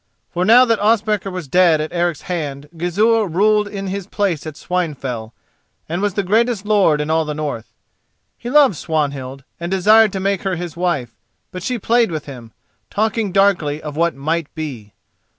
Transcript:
For now that Ospakar was dead at Eric's hand, Gizur ruled in his place at Swinefell, and was the greatest lord in all the north. He loved Swanhild, and desired to make her his wife; but she played with him, talking darkly of what might be.